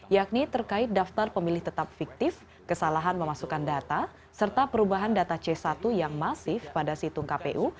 yakni terkait daftar pemilih tetap fiktif kesalahan memasukkan data serta perubahan data c satu yang masif pada situng kpu